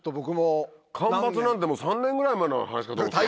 間伐なんて３年ぐらい前の話かと思った。